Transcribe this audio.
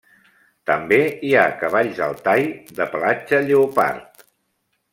També hi ha cavalls Altai de pelatge lleopard.